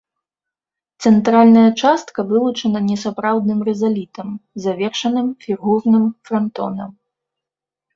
Цэнтральная частка вылучана несапраўдным рызалітам, завершаным фігурным франтонам.